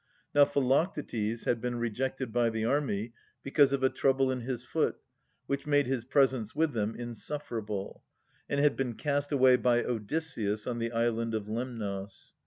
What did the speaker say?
Now Philoctetes had been rejected by the army because of a trouble in his foot, which made his presence with them in sufferable ; and had been cast away by Odysseus on the island of Lemnos.